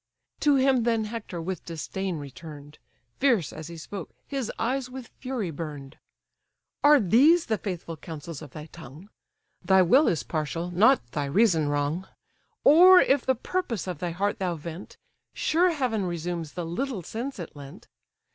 To him then Hector with disdain return'd: (Fierce as he spoke, his eyes with fury burn'd:) "Are these the faithful counsels of thy tongue? Thy will is partial, not thy reason wrong: Or if the purpose of thy heart thou vent, Sure heaven resumes the little sense it lent.